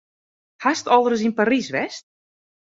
Hast al ris yn Parys west?